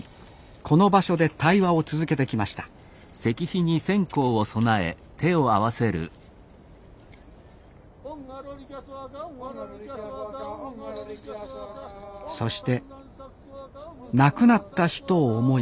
この場所で対話を続けてきましたそして亡くなった人を思い